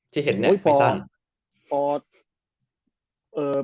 ที่เห็นเนี่ยไม่สั้น